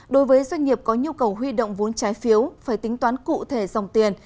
đối với doanh nghiệp có nhu cầu huy động vốn trái phiếu phải tính toán cụ thể dòng tiền